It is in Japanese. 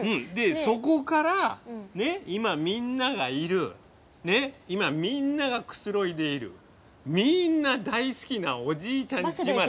でそこからね今みんながいる今みんながくつろいでいるみんな大好きなおじいちゃんち。